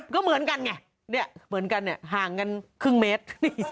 ก็เหมือนกันไงเนี่ยเหมือนกันเนี่ยห่างกันครึ่งเมตร